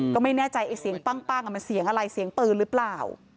ก็ไม่แน่ใจไอ้เสียงปั้งมันเสียงอะไรเสียงปืนหรือเปล่า